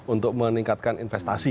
untuk meningkatkan investasi